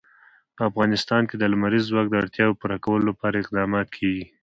په افغانستان کې د لمریز ځواک د اړتیاوو پوره کولو لپاره اقدامات کېږي.